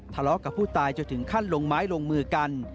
ทะเลาะกับผู้ตายจนถึงขั้นลงไม้ลงมือกัน